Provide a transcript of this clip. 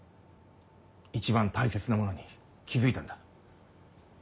一番大切なものに気づいたんだ。